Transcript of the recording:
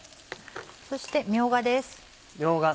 そしてみょうがです。